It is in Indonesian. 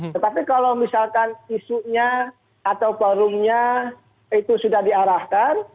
tetapi kalau misalkan isunya atau forumnya itu sudah diarahkan